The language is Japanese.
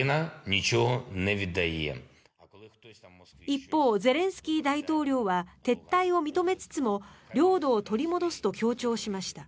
一方、ゼレンスキー大統領は撤退を認めつつも領土を取り戻すと強調しました。